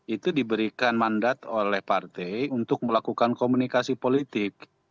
itu diberikan mandat oleh partai untuk melakukan komunikasi politik